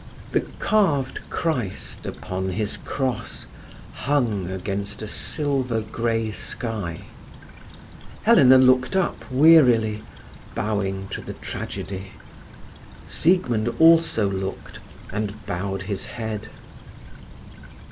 The carved Christ upon His cross hung against a silver grey sky. Helena looked up wearily, bowing to the tragedy. Siegmund also looked, and bowed his head.